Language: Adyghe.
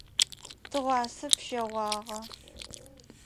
Тыгъуасэ пщэгъуагъэ.